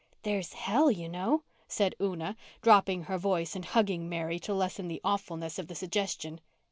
"There's hell, you know," said Una, dropping her voice and hugging Mary to lessen the awfulness of the suggestion.